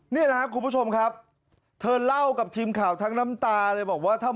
นี่แหละครับคุณผู้ชมครับเธอเล่ากับทีมข่าวทั้งน้ำตาเลยบอกว่าถ้า